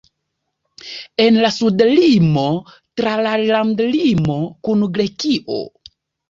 En la suda limo tra la landlimo kun Grekio.